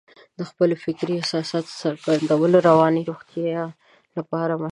د خپلو فکرونو او احساساتو څرګندول د رواني روغتیا لپاره مهم دي.